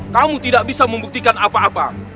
kamu tidak bisa membuktikan apa apa